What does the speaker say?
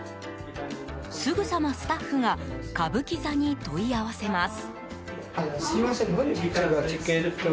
すぐさま、スタッフが歌舞伎座に問い合わせます。